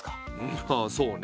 まあそうねえ。